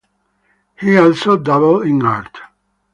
He also dabbled in art.